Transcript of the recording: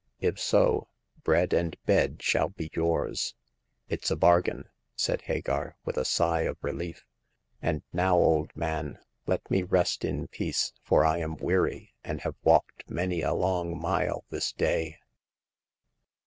If so, bread and bed shall be yours." It's a bargain," said Hagar, with a sigh of re lief. "And now, old man, let me rest in peace, for I am weary, and have walked many a long mile this day."